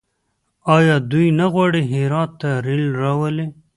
آیا دوی نه غواړي هرات ته ریل راولي؟